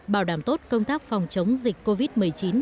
bảo đảm tốt công tác phòng chống dịch covid một mươi chín